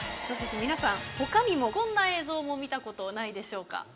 そして皆さん他にもこんな映像も見たことないでしょうか？